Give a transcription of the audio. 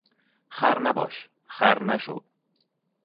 خر نباش، خر نشو!